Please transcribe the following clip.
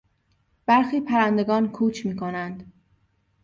برخی پرندگان کوچ میکنند.